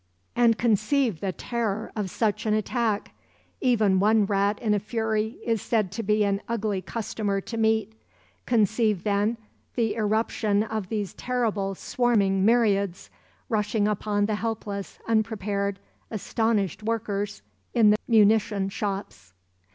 "And conceive the terror of such an attack. Even one rat in a fury is said to be an ugly customer to meet; conceive then, the irruption of these terrible, swarming myriads, rushing upon the helpless, unprepared, astonished workers in the munition shops."